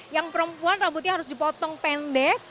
yang perempuan rambutnya harus dipotong pendek